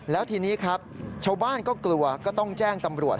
แล้วทีนี้ครับชาวบ้านก็กลัวก็ต้องแจ้งตำรวจ